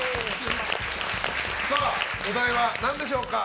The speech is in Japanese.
お題は何でしょうか？